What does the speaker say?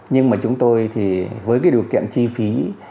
nhưng mà chúng tôi thì với cái điều kiện chi phí